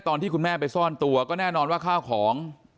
ตอนที่คุณแม่ไปซ่อนตัวก็แน่นอนว่าข้าวของ